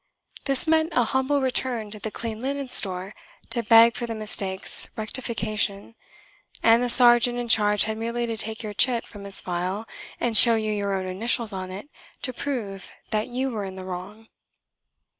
This meant a humble return to the Clean Linen Store to beg for the mistake's rectification; and the sergeant in charge had merely to take your chit from his file, and show you your own initials on it, to prove that you were in the wrong.